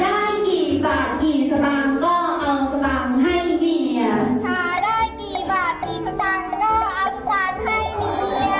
หาได้กี่บาทกี่สนามก็ออกสนามให้เมียหาได้กี่บอตกี่สนามก็ออกสนามให้เมีย